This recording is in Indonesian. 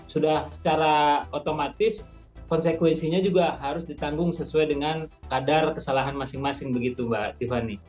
sudah secara otomatis konsekuensinya juga harus ditanggung sesuai dengan kadar kesalahan masing masing begitu mbak tiffany